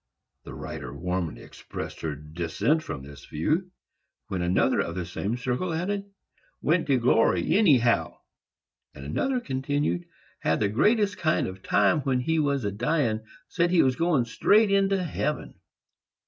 The writer warmly expressed her dissent from this view, when another of the same circle added, "Went to glory, anyhow." And another continued, "Had the greatest kind of a time when he was a dyin'; said he was goin' straight into heaven."